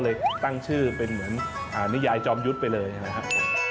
เลยตั้งชื่อเป็นเหมือนนิยายจอมยุทธ์ไปเลยนะครับ